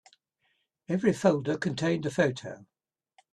Every folder contained a photo.